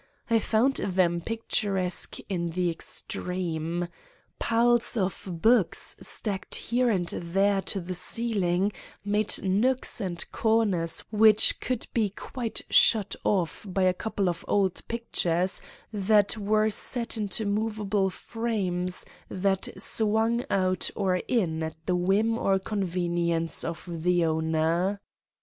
I found them picturesque in the extreme. Piles of books stacked here and there to the ceiling made nooks and corners which could be quite shut off by a couple of old pictures that were set into movable frames that swung out or in at the whim or convenience of the owner.